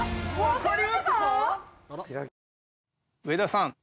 上田さん